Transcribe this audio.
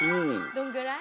どんぐらい？